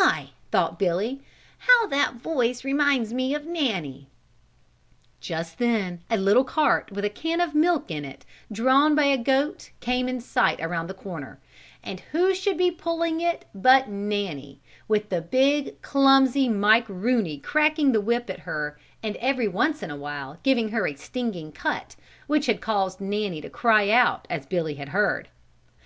"My!" thought Billy, "how that voice reminds me of Nanny." Just then a little cart, with a can of milk in it, drawn by a goat came in sight around the corner, and who should be pulling it but Nanny, with the big, clumsy Mike Rooney cracking the whip at her and every once in a while giving her a stinging cut which had caused Nanny to cry out as Billy had heard.